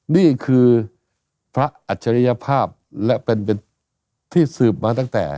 นี่คือพระอัจฉริยภาพและเป็นที่สืบมาตั้งแต่